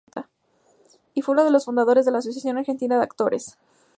Y fue uno de los fundadores de la Asociación Argentina de Actores.